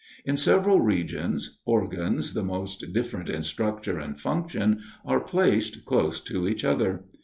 In several regions, organs the most different in structure and function are placed close to each other.